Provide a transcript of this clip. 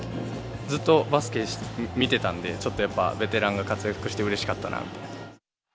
ずっとバスケ見てたんで、ちょっとやっぱ、ベテランが活躍してうれしかったなって。